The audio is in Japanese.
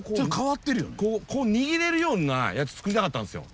こう握れるようなやつ作りたかったんですよ。